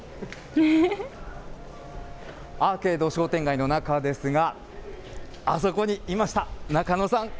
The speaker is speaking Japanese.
アーケード商店街の中ですが、あそこにいました、ナカノさん。